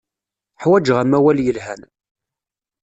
Ḥwajeɣ amawal yelhan.